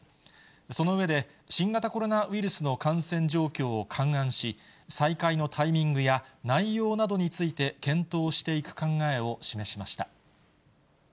その上で、新型コロナウイルスの感染状況を勘案し、再開のタイミングや、内容などについて、検討していく考えを示しました。